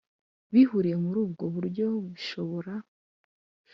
Bihuriye muri ubwo buryo bishobora